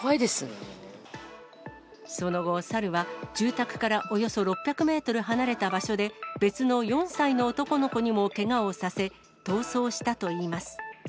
その後、サルは住宅からおよそ６００メートル離れた場所で、別の４歳の男の子にもけがをさせ、逃走したといいます。